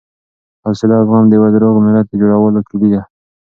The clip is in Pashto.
حوصله او زغم د یوه روغ ملت د جوړولو کیلي ده.